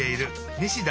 西田